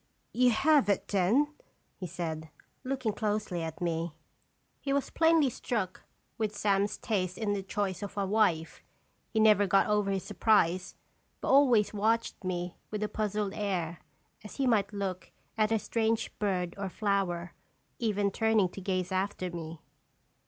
"You have it, then?" he said, looking closely at me. 231 232 "(Elje Beronir Carir He was plainly struck with Sam's taste in the choice of a wife. He never got over his surprise, but always watched me with a puzzled air, as he might look at a strange bird or flower, even turning to gaze after me.